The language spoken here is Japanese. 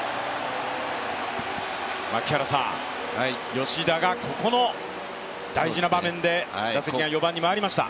吉田がここの大事な場面で打席が４番に回りました。